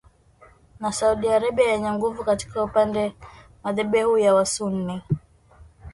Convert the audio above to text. na Saudi Arabia yenye nguvu katika upande madhehebu ya wasunni